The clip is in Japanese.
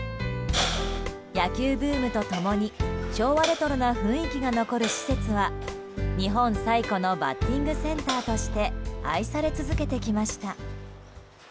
野球ブームと共に昭和レトロな雰囲気が残る施設は日本最古のバッティングセンターとして愛され続けてきました。